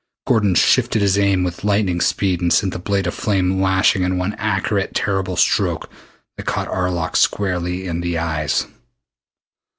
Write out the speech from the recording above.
Gordon shifted his aim with lightning speed and sent the blade of flame lashing in one accurate terrible stroke that caught Arlok squarely in the eyes.